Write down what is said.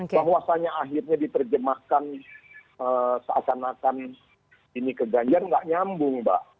bahwasannya akhirnya diterjemahkan seakan akan ini ke ganjar nggak nyambung mbak